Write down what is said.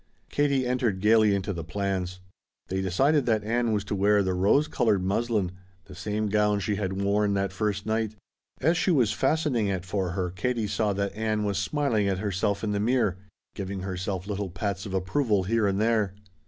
Katie entered gayly into the plans. They decided that Ann was to wear the rose colored muslin the same gown she had worn that first night. As she was fastening it for her Katie saw that Ann was smiling at herself in the mirror, giving herself little pats of approval here and there.